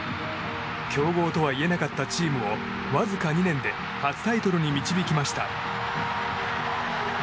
強豪とは言えなかったチームをわずか２年で初タイトルに導きました。